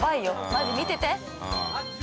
マジ見てて！